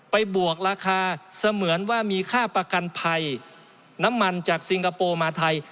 บวกราคาเสมือนว่ามีค่าประกันภัยน้ำมันจากซิงคโปร์มาไทย